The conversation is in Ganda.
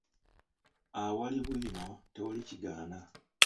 Ewali bwino tewali kigaana.